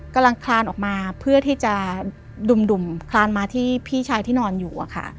คลานออกมาเพื่อที่จะดุ่มคลานมาที่พี่ชายที่นอนอยู่อะค่ะ